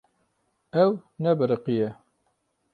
Ew nebiriqiye.